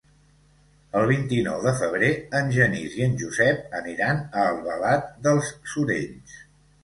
El vint-i-nou de febrer en Genís i en Josep aniran a Albalat dels Sorells.